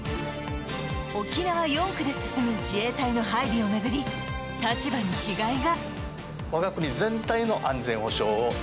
沖縄４区で進む自衛隊の配備を巡り立場に違いが。